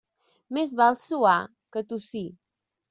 Més val suar que tossir.